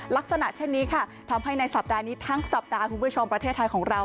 ลักษณะเช่นนี้ค่ะทำให้ในสัปดาห์นี้ทั้งสัปดาห์คุณผู้ชมประเทศไทยของเรา